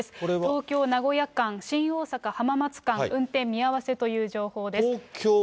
東京・名古屋間、新大阪・浜松間、運転見合わせという情報です。